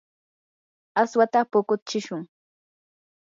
aswata puqutsishun.